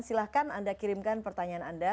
silahkan anda kirimkan pertanyaan anda